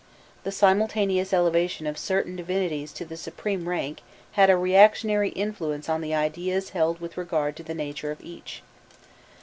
The simultaneous elevation of certain divinities to the supreme rank had a reactionary influence on the ideas held with regard to the nature of each.